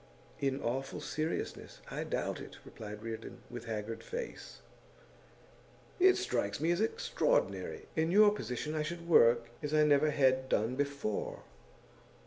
'In awful seriousness, I doubt it,' replied Reardon, with haggard face. 'It strikes me as extraordinary. In your position I should work as I never had done before.